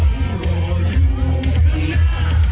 เหลือความหวังหล่ออยู่ข้างหน้า